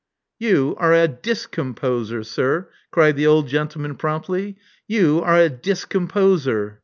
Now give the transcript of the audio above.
You are a discomposer, sir," cried the old gentle man promptly. *'You are a discomposer."